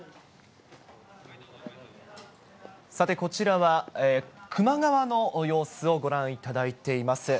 さて、こちらは球磨川の様子をご覧いただいています。